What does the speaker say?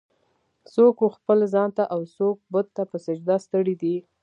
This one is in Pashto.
"څوک و خپل ځان ته اوڅوک بت ته په سجده ستړی دی.